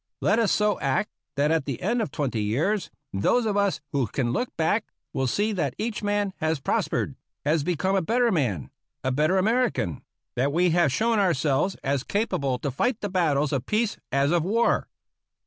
Let us so act that at the end of twenty years those of us who can look back will see that each man has prospered, has become a better man, a better American; that we have shown ourselves as capable to fight the battles of peace as of war.